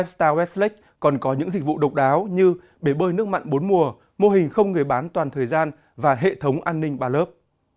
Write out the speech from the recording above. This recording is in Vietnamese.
ba star westlake còn có những dịch vụ độc đáo như bể bơi nước mặn bốn mùa mô hình không người bán toàn thời gian và hệ thống an ninh ba lớp